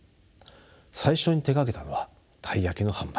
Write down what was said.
最初に手がけたのはたい焼きの販売